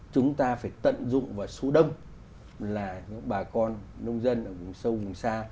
chúng ta phải tận dụng vào số đông là những bà con nông dân ở vùng sâu vùng xa